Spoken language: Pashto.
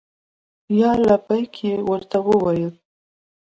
یا لبیک! یې ورته ولیکل.